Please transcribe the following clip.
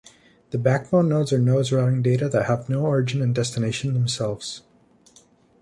The backbone nodes are nodes routing data that have no origin and destination themselves.